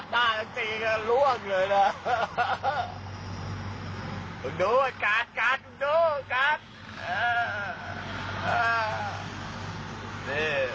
ตรงที่ดูก่อน